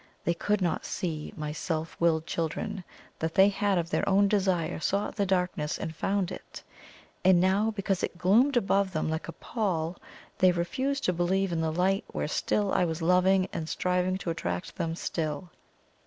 They could not see, my self willed children, that they had of their own desire sought the darkness and found it; and now, because it gloomed above them like a pall, they refused to believe in the light where still I was loving and striving to attract them still.